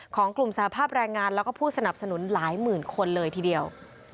ของกลุ่มสาภาพแรงงานแล้วก็ผู้สนับสนุนหลายหมื่นคนเลยทีเดียว